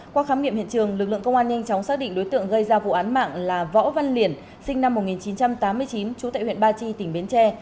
qua khám nghiệm hiện trường lực lượng công an nhanh chóng xác định đối tượng gây ra vụ án mạng là võ văn liển sinh năm một nghìn chín trăm tám mươi chín trú tại huyện ba chi tỉnh bến tre